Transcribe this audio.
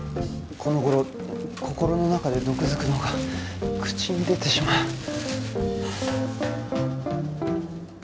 この頃心の中で毒づくのが口に出てしまう。